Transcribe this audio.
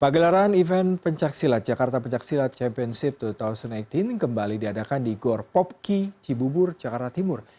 pagelaran event pencaksilat jakarta pencaksilat championship dua ribu delapan belas kembali diadakan di gor popki cibubur jakarta timur